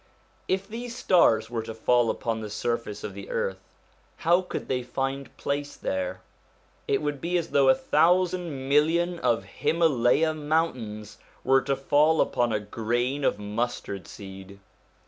If these stars were to fall upon the surface of the earth, how could they find place there ? It would be as though a thousand million of Himalaya mountains were to fall upon a grain of mustard seed.